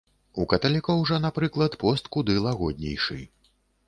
У каталікоў жа, напрыклад, пост куды лагоднейшы.